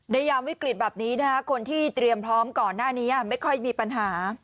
ยามวิกฤตแบบนี้คนที่เตรียมพร้อมก่อนหน้านี้ไม่ค่อยมีปัญหา